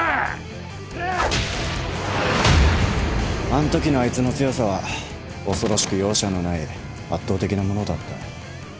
あんときのあいつの強さは恐ろしく容赦のない圧倒的なものだった。